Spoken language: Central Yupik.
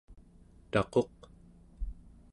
taquq¹